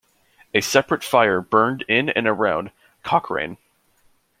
A separate fire burned in and around Cochrane.